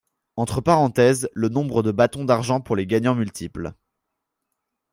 Entre parenthèses, le nombre de Bâtons d'argent pour les gagnants multiples.